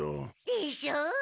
でしょう？